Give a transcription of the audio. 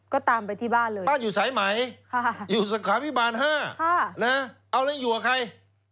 ก็ตามไปที่บ้านเลยบ้านอยู่สายไหมอยู่สาขาพิบาล๕เอาแล้วยังอยู่กับใคร